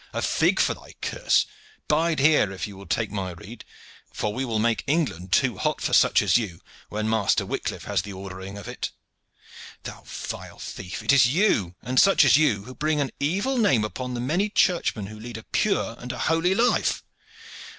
A fig for thy curse! Bide here, if you will take my rede, for we will make England too hot for such as you, when Master Wicliff has the ordering of it. Thou vile thief! it is you, and such as you, who bring an evil name upon the many churchmen who lead a pure and a holy life.